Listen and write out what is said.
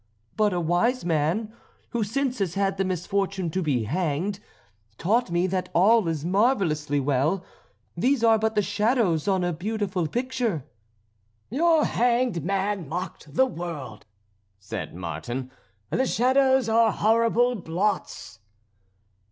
"But a wise man, who since has had the misfortune to be hanged, taught me that all is marvellously well; these are but the shadows on a beautiful picture." "Your hanged man mocked the world," said Martin. "The shadows are horrible blots."